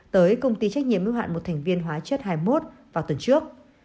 tới công ty trách nhiệm ưu hạn một thành viên hóa chất hai mươi một vào tuần trước